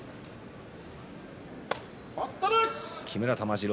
木村玉治郎